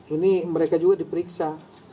ini mereka juga diperiksa